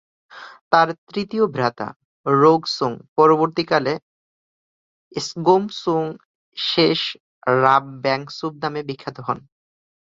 তার তৃতীয় ভ্রাতা রোগ-ছুং পরবর্তীকালে স্গোম-ছুং-শেস-রাব-ব্যাং-ছুব নামে বিখ্যাত হন।